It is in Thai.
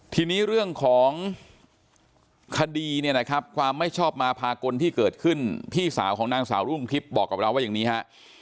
ทีนี้เรื่องของคดีเนี่ยนะครับความไม่ชอบมาพากลที่เกิดขึ้นพี่สาวของนางสาวรุ่งทิพย์บอกกับเราว่าอย่างนี้ฮะ